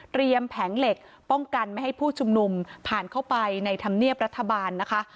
แผงเหล็กป้องกันไม่ให้ผู้ชุมนุมผ่านเข้าไปในธรรมเนียบรัฐบาลนะคะ